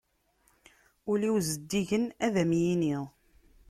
Ul-iw zeddigen ad am-yinni.